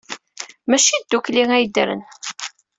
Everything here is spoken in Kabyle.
Maci ddukkli ay ddren.